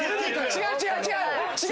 違う違う違う！